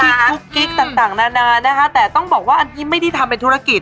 มีกุ๊กกิ๊กต่างนานานะคะแต่ต้องบอกว่าอันนี้ไม่ได้ทำเป็นธุรกิจ